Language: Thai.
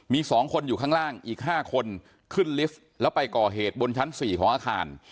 มี๒คนอยู่ข้างล่างอีก๕คนขึ้นลิฟต์แล้วไปก่อเหตุบนชั้น๔ของอาคาร